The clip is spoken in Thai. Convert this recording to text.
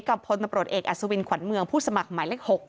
พลตำรวจเอกอัศวินขวัญเมืองผู้สมัครหมายเลข๖